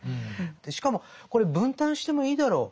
しかもこれ分担してもいいだろう。